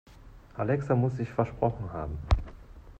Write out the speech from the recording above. Alexa muss sich versprochen haben.